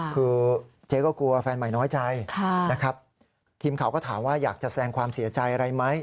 คือเจ๊ก็กลัวแฟนใหม่น้อยใจนะครับทีมข่าวก็ถามว่าอยากจะแสดงความเสียใจอะไรไหม